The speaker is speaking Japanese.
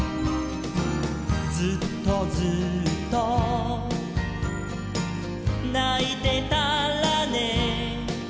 「ずっとずっとないてたらね」